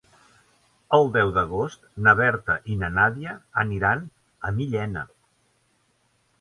El deu d'agost na Berta i na Nàdia aniran a Millena.